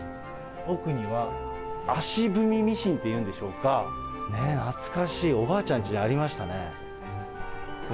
奥には足踏みミシンっていうんでしょうか、懐かしい、おばあちゃんちにありましたね。